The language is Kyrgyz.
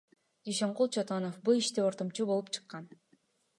Дүйшөнкул Чотонов бул иште ортомчу болуп чыккан.